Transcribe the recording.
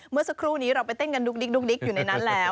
เมื่อสักครู่นี้เราไปเต้นกันดุ๊กดิ๊กอยู่ในนั้นแล้ว